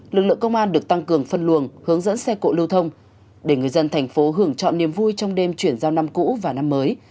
lực lượng công an được tăng cường phân luồng hướng dẫn xe cộ lưu thông để người dân thành phố hưởng chọn niềm vui trong đêm chuyển giao năm cũ và năm mới